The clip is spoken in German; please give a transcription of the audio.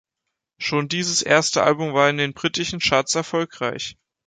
Schon dieses erste Album war in den britischen Charts erfolgreich.